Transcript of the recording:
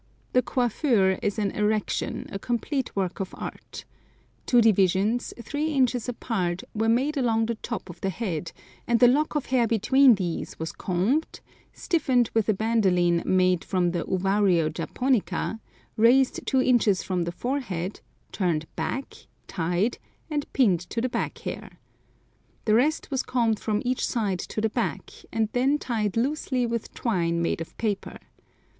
The coiffure is an erection, a complete work of art. Two divisions, three inches apart, were made along the top of the head, and the lock of hair between these was combed, stiffened with a bandoline made from the Uvario Japonica, raised two inches from the forehead, turned back, tied, and pinned to the back hair. The rest was combed from each side to the back, and then tied loosely with twine made of paper.